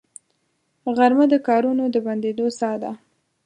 غرمه د کارونو د بندېدو ساه ده